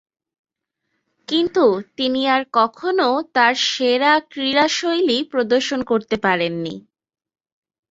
কিন্তু তিনি আর কখনও তার সেরা ক্রীড়াশৈলী প্রদর্শন করতে পারেননি।